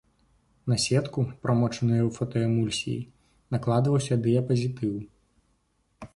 На сетку, прамочаную фотаэмульсіяй, накладваўся дыяпазітыў.